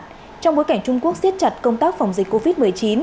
trong bối cảnh trung quốc siết chặt công tác phòng dịch covid một mươi chín